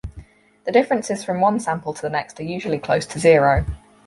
The differences from one sample to the next are usually close to zero.